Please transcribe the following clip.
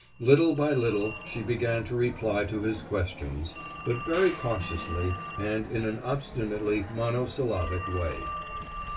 Little by little she began to reply to his questions, but very cautiously and in an obstinately monosyllabic way.